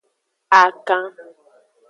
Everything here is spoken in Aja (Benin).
Akan.